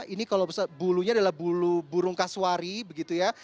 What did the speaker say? ini kalau bulunya adalah bulu burung kaswari begitu ya